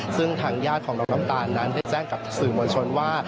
ซึ่งทางญาติของน้องน้ำตาลนั้นได้แจ้งกับสื่อมวลชนว่า